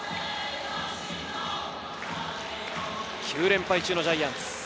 ９連敗中のジャイアンツ。